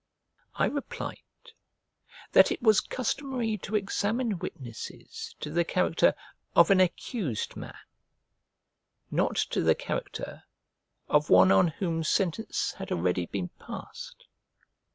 I replied that it was customary to examine witnesses to the character of an accused man, not to the character of one on whom sentence had already been passed.